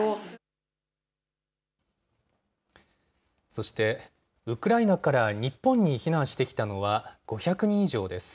そして、ウクライナから日本に避難してきたのは５００人以上です。